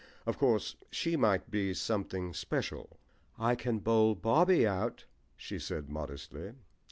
Of course, she might be something special. "I can bowl Bobby out," she said modestly.